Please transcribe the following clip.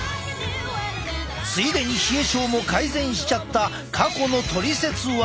ついでに冷え症も改善しちゃった過去のトリセツ技！